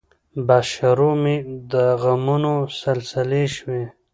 بس شروع مې د غمونو سلسلې شوې